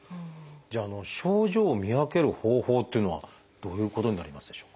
じゃあ症状を見分ける方法というのはどういうことになりますでしょうか？